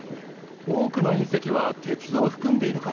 多くの隕石は鉄をふくんでいるからね。